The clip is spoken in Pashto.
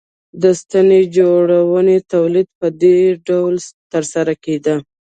د ستنې جوړونې تولید یې په دې ډول ترسره کېده